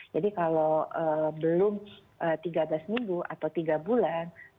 jadi kalau belum tiga belas minggu atau tiga bulan